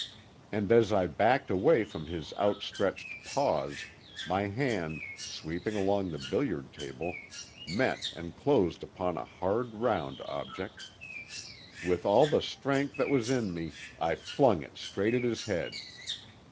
And as I backed away from his outstretched paws my hand, sweeping along the billiard table, met and closed upon a hard, round object. With all the strength that was in me I flung it straight at his head.